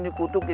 tunggu om jin